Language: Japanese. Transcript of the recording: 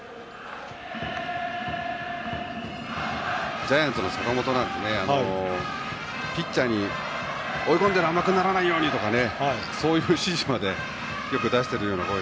ジャイアンツの坂本なんてピッチャーに追い込んでも甘くならないように！とかそういう指示までよく出している声